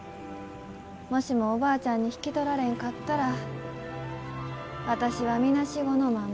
もしもおばあちゃんに引き取られんかったら私はみなしごのまんま。